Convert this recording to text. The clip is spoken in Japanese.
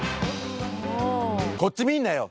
こっち見んなよ！